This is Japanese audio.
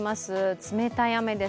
冷たい雨です。